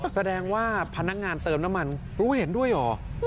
แสดงว่าพนักงานเติมน้ำมันรู้เห็นด้วยเหรอ